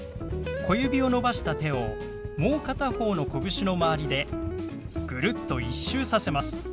小指を伸ばした手をもう片方のこぶしの周りでぐるっと１周させます。